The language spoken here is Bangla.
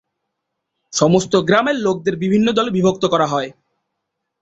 সমস্ত গ্রামের লোকদের বিভিন্ন দলে বিভক্ত করা হয়।